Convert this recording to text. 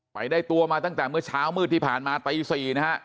ไปได้ตัวมาตั้งแต่เมื่อเช้ามืดที่ผ่านมาตี๔นะฮะ